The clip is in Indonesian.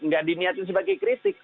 nggak diniatin sebagai kritik